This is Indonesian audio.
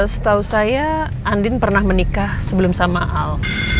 setahu saya andin pernah menikah sebelum sama al